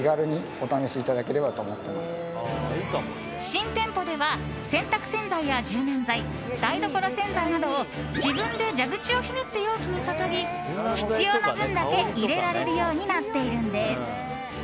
新店舗では洗濯洗剤や柔軟剤台所洗剤などを自分で蛇口をひねって容器に注ぎ必要な分だけ入れられるようになっているんです。